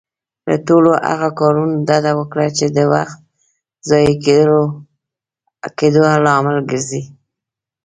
له ټولو هغه کارونه ډډه وکړه، چې د وخت ضايع کيدو لامل ګرځي.